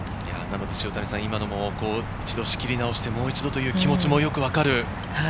今のも一度仕切り直して、もう一度という気持ちもよくわかる？